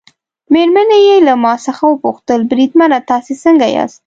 مېرمنې یې له ما څخه وپوښتل: بریدمنه تاسي څنګه یاست؟